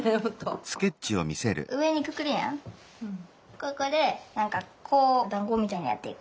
ここでなんかこうだんごみたいにやっていくが。